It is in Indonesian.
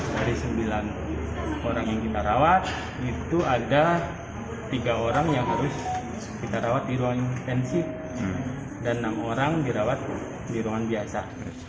dari sembilan orang yang kita rawat itu ada tiga orang yang harus kita rawat di ruang intensif dan enam orang dirawat di ruangan biasa